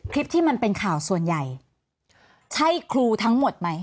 คลิปที่มันเป็นข่าวส่วนใหญ่ใช่ครูทั้งหมดไหม